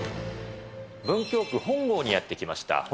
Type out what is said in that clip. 文京区本郷にやって来ました。